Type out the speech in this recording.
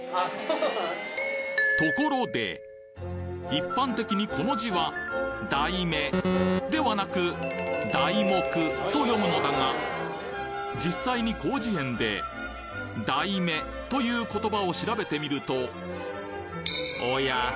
一般的にこの字はと読むのだが実際に広辞苑で「だいめ」という言葉を調べてみるとおや？